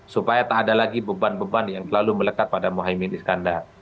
supaya tak ada lagi beban beban yang selalu melekat pada mohaimin iskandar